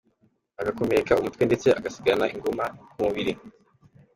agakomereka umutwe ndetse agasigarana inguma ku mubiri.